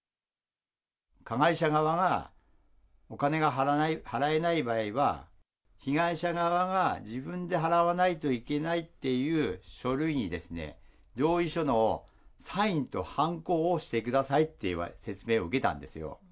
加害者側がお金が払えない場合は、被害者側が自分で払わないといけないっていう書類にですね、同意書のサインとはんこを押してくださいって説明を受けたんですよ。